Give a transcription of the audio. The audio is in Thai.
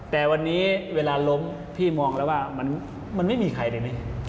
แต่วันนี้เวลาล้มพี่มองแล้วว่ามันไม่มีใครแน่